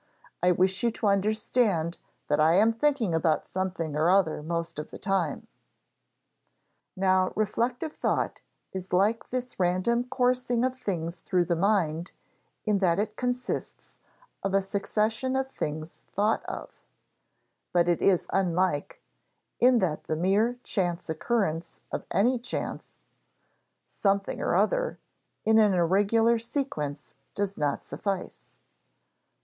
I wish you to understand that I am thinking about something or other most of the time." Now reflective thought is like this random coursing of things through the mind in that it consists of a succession of things thought of; but it is unlike, in that the mere chance occurrence of any chance "something or other" in an irregular sequence does not suffice.